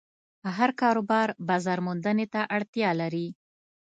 هر کاروبار بازارموندنې ته اړتیا لري.